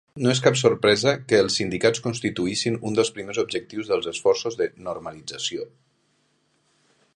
No és cap sorpresa que els sindicats constituïssin un dels primers objectius dels esforços de "normalització".